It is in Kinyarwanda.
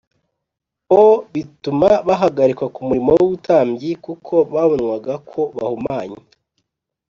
o bituma bahagarikwa ku murimo w ubutambyi kuko babonwaga ko bahumanye